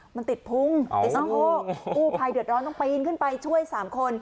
มันติดพุงติดสะโพกกู้ภัยเดือดร้อนต้องปีนขึ้นไปช่วย๓คน